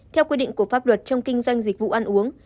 theo quy định của pháp luật trong kinh doanh dịch vụ ăn uống